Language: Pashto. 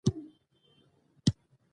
په چین کې د بزګرانو لوی پاڅون وشو.